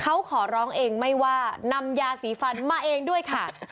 เขาขอร้องเองไม่ว่านำยาสีฟันมาเองด้วยค่ะ